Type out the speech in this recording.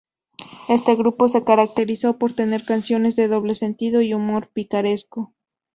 Este grupo se caracterizó por tener canciones de doble sentido y humor picaresco.